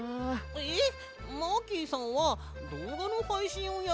えっマーキーさんはどうがのはいしんをやるんじゃないの？